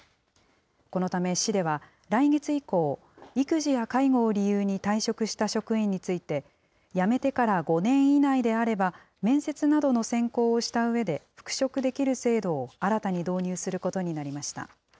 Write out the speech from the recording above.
このため市では、来月以降、育児や介護を理由に退職した職員について、辞めてから５年以内であれば、面接などの選考をしたうえで、復職できる制度を新たに導入することになりました。